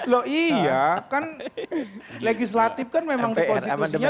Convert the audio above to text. loh iya kan legislatif kan memang di konstitusinya tugasnya mengawasi dan mengkontrol